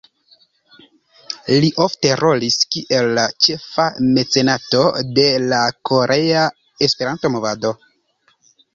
Li ofte rolis kiel la ĉefa mecenato de la korea E-movado.